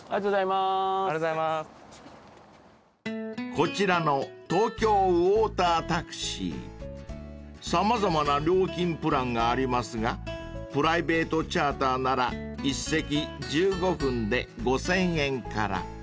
［こちらの東京ウォータータクシー様々な料金プランがありますがプライベートチャーターなら１隻１５分で５，０００円から］